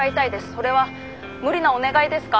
それは無理なお願いですか？